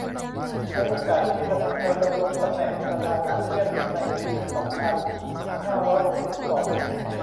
ในโอกาสที่ประเทศไทยดำรงตำแหน่งประธานอาเซียนในปีสองพันห้าร้อยหกสิบสอง